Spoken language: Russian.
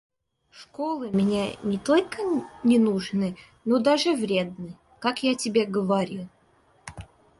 Школы мне не только не нужны, но даже вредны, как я тебе говорил.